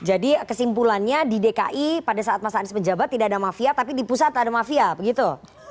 jadi kesimpulannya di dki pada saat mas anies menjabat tidak ada mafia tapi di pusat ada mafia begitu